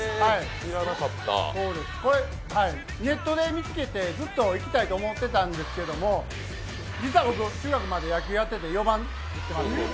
ネットで見つけてずっと行きたいと思ってたんですけれども、実は僕、中学まで野球やってて４番打ってました。